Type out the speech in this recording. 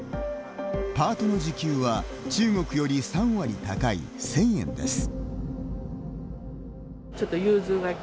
パートの時給は、中国より３割高い１０００円です。